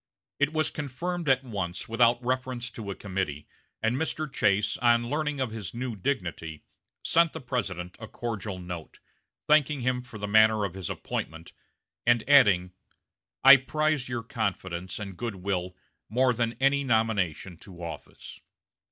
It was confirmed at once, without reference to a committee, and Mr. Chase, on learning of his new dignity, sent the President a cordial note, thanking him for the manner of his appointment, and adding: "I prize your confidence and good will more than any nomination to office."